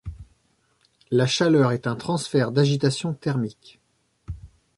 La chaleur est un transfert d’agitation thermique.